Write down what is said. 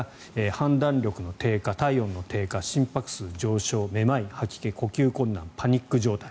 判断力の低下、体温の低下心拍数の上昇めまい、吐き気、呼吸困難パニック状態。